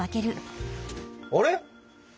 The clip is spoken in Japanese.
あれ！